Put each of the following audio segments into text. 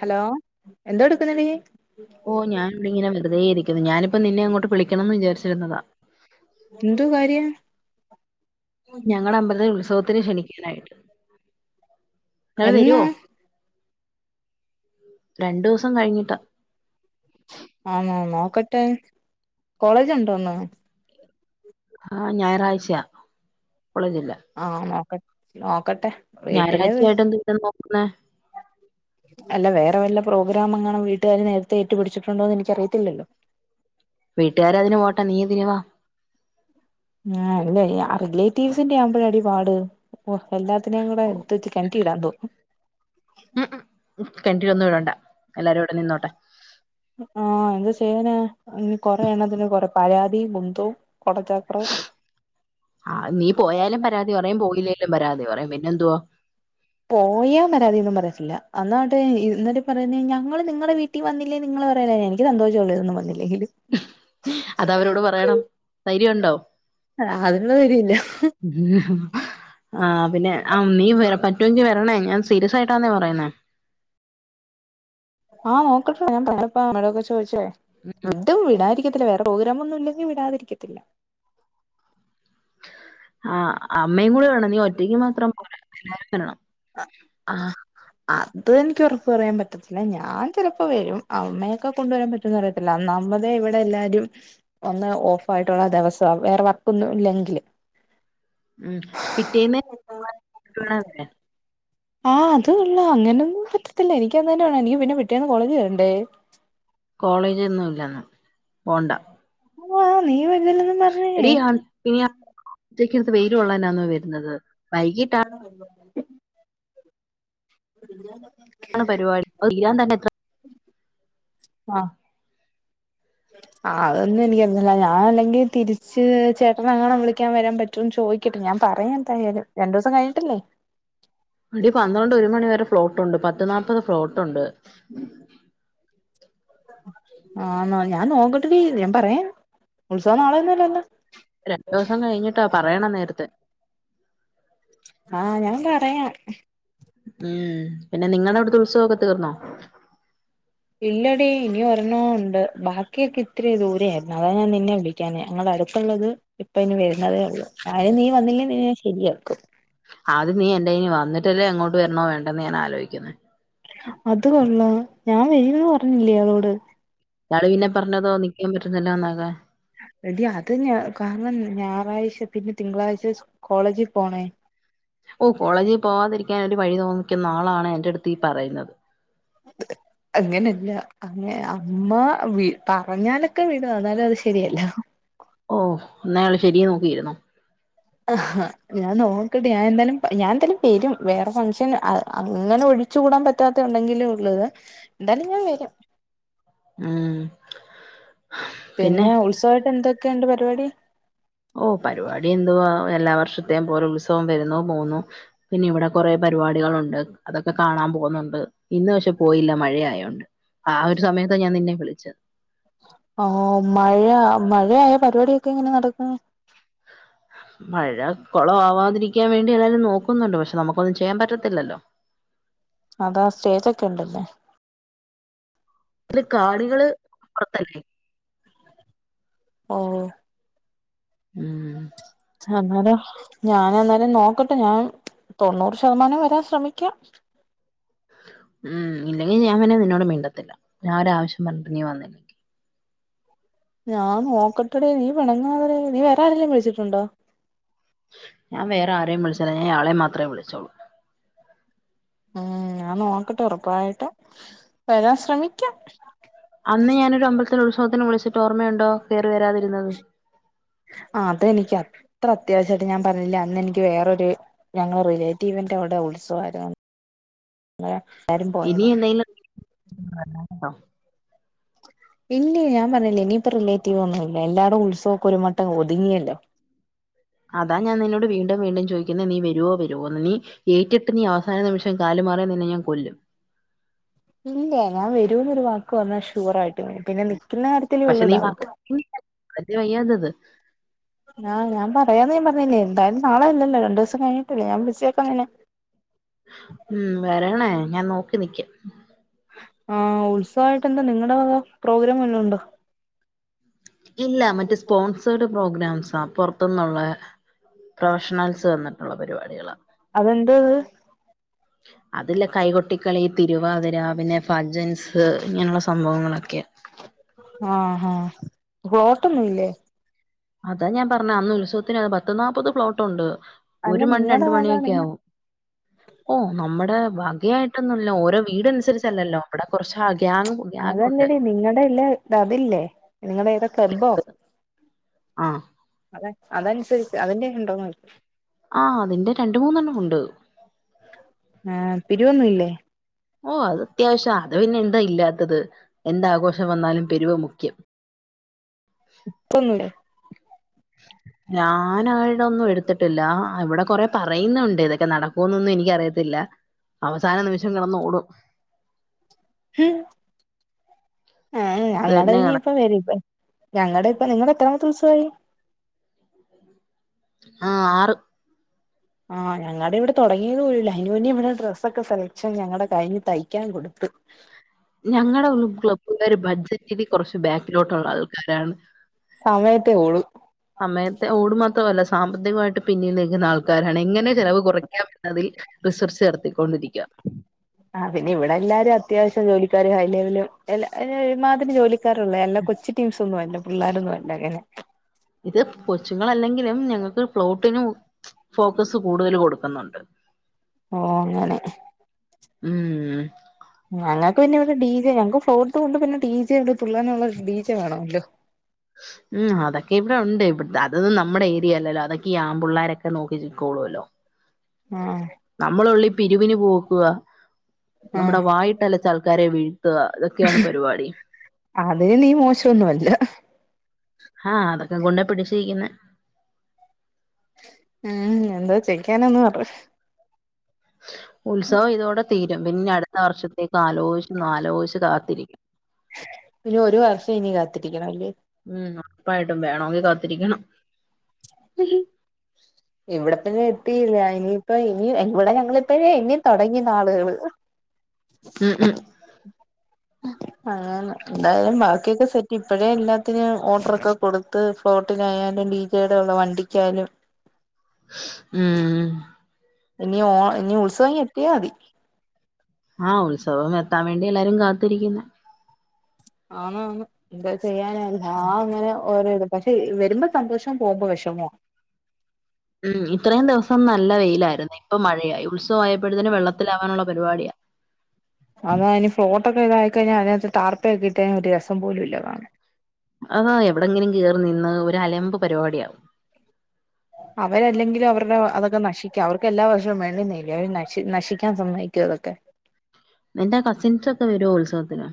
Hello എന്തോ എടുക്കുന്നു നീ ഓ ഞാനവിടെ ഇങ്ങനെ വെറുതെ ഇരിക്കുന്നു ഞാനിപ്പോ നിന്നെ അങ്ങോട്ട് വിളിക്കണംന്ന് വിചാരിച്ചിരുന്നതാ എന്ത്വാ കാര്യം ഞങ്ങളുടെ അമ്പലത്തിൽ ഉത്സവത്തിന് ക്ഷണിക്കാനായിട്ട് ങ്ങള് എന്നാ വരുവോ രണ്ടുസം കഴിഞ്ഞിട്ടാ ആഹ് ന നോക്കട്ടെ കോളേജ് ഉണ്ടോന്ന് ആഹ് ഞായറാഴ്ചയാ കോളേജില്ല ആഹ് നോക്ക നോക്കട്ടെ വീട്ടില് ഞായറാഴ്ചയായിട്ട് എന്തു ട്ട നോക്കുന്നെ അല്ല വേറെ വല്ല പ്രോഗ്രാം അങ്ങനെ വീട്ടുകാര് നേരത്തെ ഇട്ടു പിടിച്ചിട്ടുണ്ടോ എന്ന് എനിക്ക് അറിയത്തില്ലല്ലോ വീട്ടുകാര് അതിന് പോട്ടെ നീ ഇതിനു വാ ആ അല്ലേ റിലേറ്റീവ്സിന്റെ ആവുമ്പോഴാടി പാട് ഓ എല്ലാത്തിനെയും കൂടെ എടുത്ത് വെച്ച് കെണറ്റി ഇടാന്തോന്നും ഉം ഉം കിണറ്റിയൊന്നും ഇടണ്ട എല്ലാരും ഇവിടെ നിന്നോട്ടെ ആഹ് എന്താ ചെയ്യാനാ കൊറെ എണ്ണതിന് കൊറെ പരാതി കുന്തോം കൊടച്ചക്രവും ആ നീ പോയാലും പരാതി പറയും പോയില്ലേലും പരാതി പറയും പിന്നെ എന്തുവാ പോയാ പരാതിയോന്നും പറയത്തില്ല എന്നട്ട് ഇന്നട്ടെ പറയുന്ന ഞങ്ങള് നിങ്ങള വീട്ടിൽ ട്ടിൽ വന്നില്ലേൽ നിങ്ങൾ പറയുലോ എനിക്ക് സന്തോഷംള്ളൂ ഇതൊന്നും വന്നില്ലേല് അതവരോട് പറയണം. ധൈര്യമുണ്ടോ? ആഹ് അതിന്ന് വരില്ല ഉം ആ പിന്നെ ആ നീ വ പറ്റുമെങ്കി വരണേ ഞാൻ സീരിയസ് ആയിട്ടാന്നേ പറയുന്നേ ആഹ് നോക്കട്ടേ ഞാൻ പപ്പടൊക്കെ ചോദിച്ചേ ടും വിടാതിരിക്കത്തില്ല വേറെ പ്രോഗ്രാം ഒന്നും ഇല്ലങ്കിൽ വിടാതിരിക്കത്തില്ല ആഹ് അമ്മയും കൂടി വേണം നീ ഒറ്റയ്ക്ക് മാത്രം പോരാ എല്ലാരും വരണം ആഹ് അത് എനിക്ക് ഉറപ്പ് പറയാൻ പറ്റത്തില്ല ഞാൻ ചിലപ്പോ വരും അമ്മയൊക്കെ കൊണ്ടുവരാൻ പ [unintelligible] നമ്മുടെ ഇവിടെ എല്ലാരും ഒന്ന് ഓഫ് ആയിട്ടുള്ള ദിവസം വേറെ വർക്ക് ഒന്നും ഇല്ലെങ്കിൽ ഉം പിറ്റേന്ന് [unintelligible] ആഹ് അത് കൊള്ളാംഅങ്ങനൊന്നും പറ്റത്തില്ല എനിക് ഇന്ന് തന്നെ വേണം എനിക് പിന്നെ പിറ്റേന്ന് കോളേജി വരണ്ടേ കോളേജ്ന്നും ഇല്ലന്ന് എടീ പിന്നെ ആ [unintelligible] ഉച്ചയ്ക്കടുത്ത് വെയില് കൊള്ളാനാന്ന വരുന്നത് വൈകിട്ടാ [unintelligible] [inaudible] ആണ് പരിപാടി അത് തീരാൻ തന്നെ എത്ര [inaudible] ആഹ് ആ അതൊന്നും എനിക്ക് അറീത്തില്ല ഞാൻ അല്ലെങ്കിൽ തിരിച്ച് ചേട്ടനെങ്ങാണം വിളിക്കാൻ വരാൻ പറ്റ് റ്റ്വോന്ന് ചോദിക്കട്ടെ ഞാൻ പറയാ എന്തായാലും രണ്ട് ദിവസം കഴിഞ്ഞിട്ടല്ലേ അടി പന്ത്രണ്ട് ഒരു മണിവ വരെ ഫ്ലോട്ട്ണ്ട് പത്ത് നാല്പത് ഫ്ലോട്ടൊണ്ട് ആഹ് ഞാൻ നോക്കട്ടടീ ഞാൻ പറയാ രണ്ട് ദിവസം കഴിഞ്ഞിട്ടാ പറയണം നേരത്തെ ആഹ് ഞാൻ പറയാം ഉം പിന്നെ നിങ്ങളുടെ അവിടുത്തെ ഉത്സവൊക്കെ തീർന്നോ ഇല്ലടി ഇനി ഒരെണ്ണം ഉണ്ട് ബാക്ക ക്കിയേക്ക ഇത്ര ദൂര ആയിരുന്നു അതാണ് ഞാൻ നിന്നെ വിളിക്കാഞ്ഞേ ഞങ്ങളുടെ അടുത്തുള്ളത് ഇപ്പ ഇനി വരുന്നതേ ഒള്ളൂ അയ്ന് നീ വന്നില്ലേ നിന്നെ ഞാൻ ശരിയാക്കും ആദ്യം നീ എന്റെ ഇയ്നി വന്നിട്ടല്ലേ അങ്ങോട്ട് വരണോ വേണ്ടേന്ന് ഞാൻ ആലോചിക്കുന്നേ അത് കൊള്ളാം ഞാൻ വരൂന്ന് പറഞ്ഞില്ലേ ഇയാളോട് ന്നാള് പിന്നെ പറഞ്ഞതോ നിക്കാൻ പറ്റുന്നില്ല എന്നൊക്കെ എടീ അത് ഞ കാരണം ഞായറാഴ്ച പിന്നെ തിങ്കളാഴ്ച്ച സ് കോളേജി പോണേ ഓഹ് കോളേജി പോവാതിരിക്കാൻ ഒരു വഴി തോന്നിക്കുന്ന ആളാണ് എന്റെ അടുത്ത് ഈ പറയുന്നത് [inaudible] അങ്ങനല്ല അങ്ങെ അമ്മ വി പറഞ്ഞാലൊക്കെ വിടും എന്നാലും അത് ശരിയല്ല ഓഹ് ഇന്നാ ഇയാള് ശരി നോക്കിയിരുന്നോ ആഹ് ഞാൻ നോക്കട്ടെ ഞാന് എന്തായാലും ഞാന് എന്തായാലും വരും വേറെ ഫംഗ്ഷൻ അങ്ങനെ ഒഴി ച്ചു കൂടാൻ പറ്റാത്ത ഉണ്ടെങ്കിലേ ഒള്ളൂ എന്തായാലും ഞാൻ വരും ഉം പിന്നെ ഉത്സവായിട്ട് എന്തൊക്കെണ്ട് പരിപാടി ഓ പരിപാടി എന്തുവാ എല്ലാ വർഷത്തെയും പോലെ ഉത്സവം വരുന്നു പോവുന്നു പിന്നെ ഇവടെ കൊറെ പരിപാടികളുണ്ട് അതൊക്കെ കാണാൻ പോവുന്നുണ്ട് ഇന്ന് പക്ഷെ പോയില്ല മഴയായൊണ്ട് ആഹ് ഒരു സമയത്താ ഞാൻ നിന്നെ വിളിച്ചത് ഓ മഴ മഴയായ പരിപാടിയൊക്കെ എങ്ങനെ നടക്കും മഴ കൊളവവാതിരിക്കാൻ വേണ്ടി എല്ലാരും നോക്കുന്നുണ്ട് പക്ഷെ നമുക്കൊന്നും ചെയ്യാൻ പറ്റത്തില്ലല്ലോ അതാ സ്റ്റേജോക്കെണ്ട്ല്ലേ ഇതില് കാണികള് പൊറത്തല്ലേ ഓഹ് ഉം [unintelligible] ഞാൻ എന്നാലും നോക്കട്ടെ ഞാൻ തോണ്ണൂറ് ശതമാനം വരാൻ ശ്രമിക്കാം ഉം ഇല്ലെങ്കിൽ ഞാൻ പിന്നെ നിന്നോട് മീണ്ടത്തില്ല ഞാൻ ഒരവശ്യം പറഞ്ഞിട്ട് നീ വന്നില്ല ഞാൻ നോക്കട്ടെടീ നീ പിണങ്ങാതെടീ നീ വേറെരെലും വിളിച്ചിട്ടുണ്ടോ ഞാൻ വേറെ ആരേം വിളിച്ചില്ല ഞാൻ ഇയാളെ മാത്രേ വിളിച്ചോള്ളൂ ഉം ഞാൻ നോക്കട്ടെ ഉറപ്പായിട്ടും വരാൻ ശ്രമിക്ക എത്ര ഉത്സവത്തിന് വിളിച്ചിട്ട് ഓർമ്മയുണ്ടോ കേറി വരാതിരുന്നത് ആഹ് അതെനിക്ക് അത്ര അത്യാവശ്യായിട്ട് ഞാൻ പറഞ്ഞില്ലേ അന്ന് എനിക്ക് വേറൊര് ഞങ്ങളെ റിലേറ്റീവിന്റെവിടെ ഉത്സവായിര്ന്ന് അന്നേരം എല്ലാരും ഇനി എന്തെങ്കിലും [unintelligible] ഇല്ലേ ഞാൻ പറഞ്ഞില്ലേ ഇനിയിപ്പൊ റിലേറ്റിവോന്നും ഇല്ല എല്ലാടും ഉത്സവൊക്കെ ഒരു മട്ടം ഒതുങ്ങിയല്ലോ അതാ ഞാന് നിന്നോട് വീണ്ടും വീണ്ടും ചോയിക്കുന്നെ നീ വരുവോ വരുമോ നീ ഏറ്റിട്ട് നീ അവസാന നിമിഷ് ഷം കല് മാറിയ തിന്നെ ഞാന് കൊല്ലും ഇല്ലേ ഞാന് വരൂന്നൊരു വാക്ക് പറഞ്ഞാ ഷുവറായിട്ടും വരും പിന്നെ നിക്ക്ന്ന കാര്യത്തിലേ പക്ഷെ ഒള്ളു നീ വാക്ക് ഡൗട്ട് വലിയ വയ്യാത്തത് ആഹ് ഞാൻ പറയാന്ന് ഞാ പറഞ്ഞില്ലേ എന്തായാലും നാളെല്ലല്ലോ രണ്ടൂസം കഴിഞ്ഞട്ടല്ലേ ഞാൻ ബിസിയാക്ക നിന്നെ ഉം വരണേ ഞാൻ നോക്കി നിക്കും ആഹ് ഉത്സവായിട്ട് എന്താ നിങ്ങടെ വക പ്രോഗ്രാം വെല്ലോം ഉണ്ടോ ഇല്ല മറ്റ് സ്പോൺസേർഡ് പ്രോഗ്രാംസാ പൊറ്ത്തുന്നുള്ളെ പ്രൊഫഷണൽസ് വന്ന്ട്ട്ള്ള പരിപാടികളാ അതെന്ത് അതില്ല കൈ കൊട്ടി ക്കളി തിരുവാതിര പിന്നെ ഫജൻസ് ഇങ്ങനെയുള്ള സംഭവങ്ങളൊക്കെ ആഹ് ഹാ പ്ലോട്ടോന്നുല്ല്യേ അതാ ഞാൻ പറഞ്ഞഞ് അന്ന് ഉത്സത്തിനന്ന് പ പത്ത് നാല്പ്പത് പ്ലോട്ടുണ്ട് അല്ല ഒരു മണി നിങ്ങടെ രണ്ട് വക മണിയൊക്കെ നിങ്ങ ആവും [inaudible] ഓഹ് നമ്മടെ വകയായിട്ടൊന്നുല്ല ഓരോ വീട് അനുസരിച്ചല്ലല്ലോ അവിടെ കൊറച്ച് ഗ്യാങ് ഗ്യാ അതെല്ലേടി നിങ്ങടെ എല്ലാ ഇത് അതില്ലേ നിങ്ങടെ ഏതൊ ക്ലബ്ബോ ആ അതെ അതനുസരിച്ച് അതിന്റെ ഉണ്ടോന്നോയിച്ചെ ആഹ് അതിന്റെ രണ്ട് മൂന്നെണ്ണം ഉണ്ട് ആഹ്‌ പിരിവൊന്നുംല്ലേ ഓ അത് അത്യാവശ്യം അത് പിന്നെ എന്താ ഇല്ലാത്തത് എന്താഘോഷം വന്നാലും പെരുവ് മുഖ്യം ഇപ്പൊന്നുല്ലെ [inaudible] ഞാൻ ആടെന്നും എടുത്തിട്ടില്ല അവിടെ കൊറെ പറയുന്നുണ്ട് ഇതൊക്കെ നടക്കുമന്നൊന്നും എനിക്കറിയത്തില്ല അവസാന നിമിഷം കിടന്നോടും ഉ ആ ഇത് ഞങ്ങളടെ തന്നെ കണ ഇനിപ്പ വരിപ്പ ഞങ്ങളുടെ ഇപ്പ നിങ്ങടെ എത്രാമത്തെ ദിവസായി [inaudible] ആഹ ആറ് ആ് ഞങ്ങളടെ ഇവിടെ തുടങ്ങിയത് പോലും ഇല്ല അയിൻ്റ മുന്നെ ഇവിടെ ഡ്രസ്സൊക്കെ സെലക്ഷൻ ഞങ്ങളടെ കഴിഞ്ഞു തയ്ക്കാൻ കൊടുത്ത് [inaudible] ഞങ്ങളടെ ഉള്ള ക്ലബ്ബുകാർ ബഡ്ജറ്റില് കുറച്ച് ബാക്കിലോട്ട് ഉള്ള ആൾക്കാരാണ് സമയത്തെേ ഓളു സമയത്തെ ഓടു മാത്രമല്ല സാമ്പത്തികമായിട്ട് പിന്നീ നിൽക്കുന്ന ആൾക്കാരാണ് എങ്ങനെ ചെലവ് കുറയ്ക്കാം എന്നതിൽ റിസർച്ച് നടത്തിക്കൊണ്ടിരിക ആ പിന്നെ ഇവിടെ എല്ലാരും അത്യാവശ്യം ജോലിക്കാരും ഹൈ ലെവലും അയില് ഒരുമാതിരി ജോലി എല്ല കൊച്ച് ടീംസ് ഒന്നും അല്ല പിള്ളോരൊന്നുമല്ല അങ്ങനെ ഇത് കൊച്ചുങ്ങളല്ലെങ്കിലും ഞങ്ങൾക്ക് പ്ലോട്ടിന് ഫോക്കസ് കൂടുതൽ കൊടുക്കുന്നുണ്ട് ഓ അങ്ങനെ ഉം ഞങ്ങൾക്ക് പിന്നെ ഇവിടെ ഡി ജെ ഞങ്ങക്ക് ഫ്ലോട്ട് ഇണ്ട് പിന്നെ ഡി ജെണ്ട് തുള്ളനുള്ള ഡി ജെ വേണോല്ലോ ഉം അതൊക്കെ ഇവിടെ ഉണ്ട് ഇ അതൊന്നും നമ്മുടെ ഏരിയല്ലോ അതൊക്കെ ഈ ആമ്പൊള്ളാരൊക്കെ നോക്കിക്കോളൂല്ലോ [inaudible] ആഹ നമ്മള ഓൺലി പിരിവിന് പോക്കുക ആഹ് നമ്മുടെ വായിട്ട് അലച്ച് ആൾക്കാരെ വീഴ്ത്തുക ഇതൊക്കെയാണ് പരിപാടി അതിന് നീ മോശന്നും അല്ല ആഹ് അതൊക്കെ കോണ്ട പിടിച്ച്നിക്കുന്ന ഉം എന്തോ ചെയിക്കാനന്ന് പറ ഉത്സവം ഇതോടെ തീരും പിന്നെ അടുത്ത വർഷത്തേക്ക് ആലോചിച്ച് ആലോചിച്ച് കാത്തിരിക്കും ഇനി ഒരു വർഷം ഇനി കാത്തിരിക്കണം അല്ലെ ഉം ഒപ്പായിട്ടും വേണമെങ്കിൽ കാത്തിരിക്കണം ഉം [unintelligible] ഇവിടെപ്പന്നെ എത്തിയില്ല ഇനിയിപ്പ ഇനി ഇവിടെ ഞങ്ങളിപ്പഎണ്ണി തുടങ്ങി നാളുകള് ഉം ഉം അങ്ങനെ എന്തായാലും ബാക്കിയൊക്കെ സെറ്റ് ഇപ്പോഴേ എല്ലാത്തിനും ഓർഡർൊക്കെ കൊടുത്ത് ഫ്ലോട്ടിനായാലും ഡീജെയുടെ ഉള്ള വണ്ടിക്കായാലും ഉം ഇനി ഓ ഇനി ഉത്സവം ഇങ്ങു എത്തിയ മതി ആഹ്‌ ഉത്സവം എത്താൻ വേണ്ടി എല്ലാരും കാത്തിരിക്കുന്നേ അന്ന് അന്ന് എന്തോ ചെയ്യാന ആ അങ്ങനെ ഓരോ പക്ഷെ വരുമ്പോ സന്തോഷവും പോവുമ്പോ വിഷമാ ഉം ഇത്രയും ദിവസം നല്ല വെയിലായിരുന്നേ ഇപ്പ മഴയായി ഉത്സവയപ്പോഴത്തിന് വെള്ളത്തിലകാനുള്ള പരിപാടിയാ അത അതിന് ഫ്ലോട്ടൊക്കെ ഇതായി കഴിഞ്ഞാ അതിനകത്ത് താർപ്പയൊക്കെട്ടഴിഞ്ഞ ഒരു രസം പോലുമില്ല കാണാൻ അതാ എവിടെങ്കിലും കെറി നിന്ന ഒരു അലമ്പ് പരിപാടിയാവും അവരെല്ലെങ്കിലും അവരുടെ അതൊക്കെ നശിക്കാ അവർക്ക് എല്ലാ വർഷവും വേണ്ടുന്നല്ലേ അവര് നശി നശിക്കാൻ സമ്മയിക്കുവോ അതൊക്കെ നിന്റെ കസിൻസ് ഒക്കെ വരുമോ ഉത്സവത്തിന്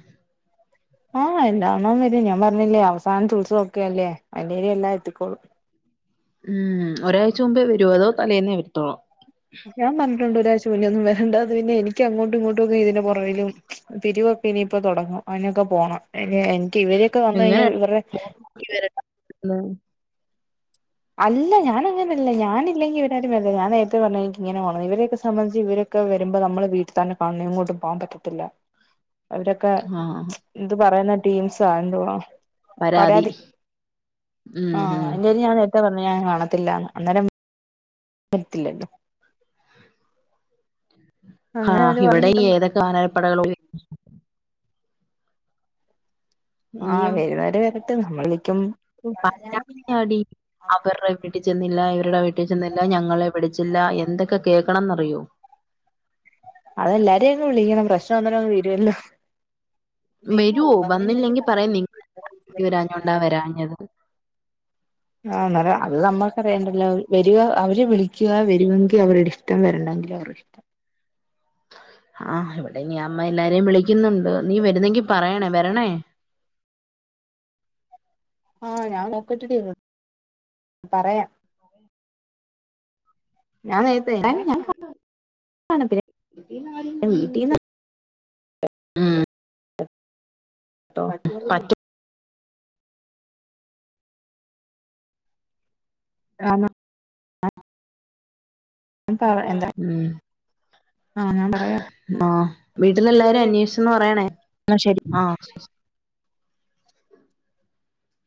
ആഹ് എല്ലണ്ണവും വരും ഞാൻ പറഞ്ഞില്ലേ അവസാനത്തെ ഉത്സവം ഒക്കെ അല്ലേ അയിന്റെരിൽ എല്ലാം എത്തിക്കോളൂ ഉം ഒരാഴ്ച മുമ്പേ വരുവോ അതോ തലേന്നെ വരുത്തോളോ ഞാൻ പറഞ്ഞിട്ടുണ്ട് ഒരായ്ച്ച മുന്നേന്നും വേരണ്ടന്ന് പിന്നെ എനിക്ക് അങ്ങോട്ടും ഇങ്ങോട്ടും ഒക്കെ ഇതിന്റെ പോറക്കിലും പിരിവക്കെ ഇനിയിപ്പോ തൊടങ്ങും അനൊക്കെ പോണം എ എനിക്ക് ഇവരൊക്കെ വന്ന് കഴിഞ്ഞാൽ ഇവർടെ ഇവരടെ ഉമ്മ് [unintelligible] അല്ല ഞാനങ്ങനെ ല്ല ഞാനില്ലങ്കി ഇവരരും വരത്തില്ല ഞാ നേരത്തെ പറഞ്ഞ എനിക്ക് ഇങ്ങനെപോണം ഇവരെയെക്കെ സംബന്ധിച്ച് ഇവരൊക്കെ വരുമ്പോ നമ്മൾ വീട്ടി തന്നെ കാണം എങ്ങോട്ടും പോകാൻ പറ്റത്തില്ല അവരൊക്കെ ആഹ് ഇത് പറയുന്ന ടീംസാ എന്തവാ പരാതി ഉം ആഹ് ഉം അന്റെരിൽ ഞാൻ നേരത്തെ പറഞ്ഞ് ഞാൻ കാണത്തില്ലന്ന് അന്നേരം വരിതില്ലല്ലോ അങ്ങനെ ആഹ് അവര് ഇവിടെ പറഞ്ഞിട്ടുണ്ട് ഏതൊക്കെ വനരാപ്പടകൾ ളോ ആഹ ഇനിയും വരുന്നേര് വരട്ട് നമ്മള് നിക്കും പരതിയാടി അവരുടെ വീട്ടിൽ ചെന്നില്ല ഇവരുടെ വീട്ട ട്ടി ചെന്നില്ല ഞങ്ങളെ വിളിച്ചില്ല എന്തൊക്കെ കേൾക്കണംന്നറിയോ അതെല്ലാരെയും അങ് വിളിക്കണം പ്രശനം അന്നേരങ്ങു തീരുമല്ലോ വരുവോ വന്നില്ലെങ്കിൽ പറയാം നി [unintelligible] ഞ്ഞണ്ടാ വരാഞ്ഞത് ആ അന്നരം അത് നമ്മുക്ക് അറിയേണ്ടല്ലോ വരുക അവര് വിളിക്കുക വരുമെങ്കിൽ അവരുടെ ഇഷ് ടം വരണ്ടാങ്കിലും അവർടെ ഇഷ്ടം ആ് ഇവിടെ ഇനീ അമ്മ എല്ലാരെയും വിളിക്കുന്നുണ്ട് നീ വരുന്നെങ്കി പറയണേ വരണേ ആഹ ഞാൻ നോക്കട്ടടി പറയാം അതഇപ്പ എന്തായലും ഞാൻ കാണും കാണത്തില്ല വിട്ടുന്നരും വീട്ടീന്ന് തൊക്കെന്നുള്ളു [unintelligible] പറ്റും [unintelligible] ഞാൻ പറ എന്താ ഉം ആഹ് ഞാൻ പറയാ ആഹ് ആ വീട്ടില് എല്ലാരെ വീട്ടിലെല്ലാരും അന്വേഷിച്ചന്ന് അന്വേഷിച്ചെന്ന് പറയ് പറയണേ എന്നാ ശരി ആഹ